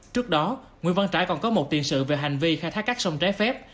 trước đó nguyễn văn trãi còn có một tiền sự về hành vi khai thác các sông trái phép